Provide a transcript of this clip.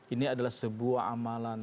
ini adalah sebuah amalan